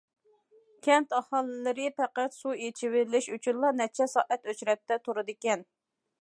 كەنت ئاھالىلىرى پەقەت سۇ ئىچىۋېلىش ئۈچۈنلا نەچچە سائەت ئۆچرەتتە تۇرىدىكەن.